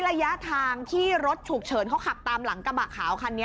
ระยะทางที่รถฉุกเฉินเขาขับตามหลังกระบะขาวคันนี้